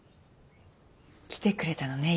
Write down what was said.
来てくれたのね。